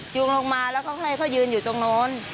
ลงมาแล้วก็ให้เขายืนอยู่ตรงโน้น